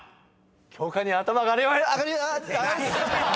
教官に頭がありあがまありす！